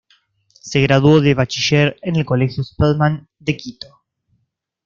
Se graduó de bachiller en el Colegio Spellman de Quito.